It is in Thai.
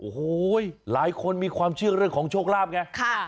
โอ้โหหลายคนมีความเชื่อเรื่องของโชคลาภไง